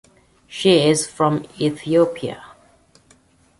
She is from Ethiopia.